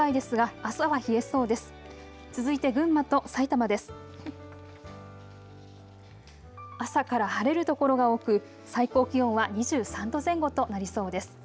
朝から晴れる所が多く最高気温は２３度前後となりそうです。